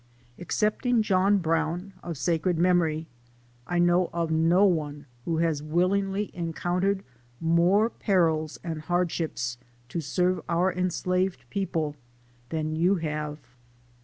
Excepting John Brown of sacred memory I know of no one who has willingly encountered more perils and hardships to serve our enslaved people than you have.